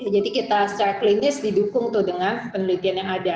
jadi kita secara klinis didukung dengan penelitian yang ada